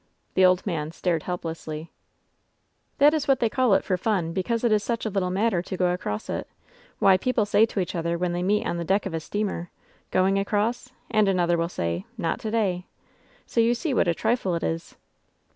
The old man stared helplessly. 240 LOVE'S BITTEREST CUP "That is what they call it for fun, because it is such a little matter to go across it Why, people say to each other when they meet on the deck of a steamer : *6oing across?' And another will say: *Not to day.' So you see what a trifle it is.''